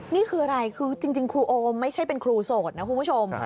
นี่คืออะไรคือจริงครูโอมไม่ใช่เป็นครูโสดนะคุณผู้ชม